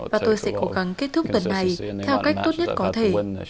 và tôi sẽ cố gắng kết thúc tuần này theo cách tốt nhất có thể